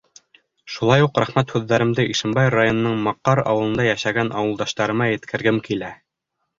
Шулай уҡ рәхмәт һүҙҙәремде Ишембай районының Маҡар ауылында йәшәгән ауылдаштарыма еткергем килә.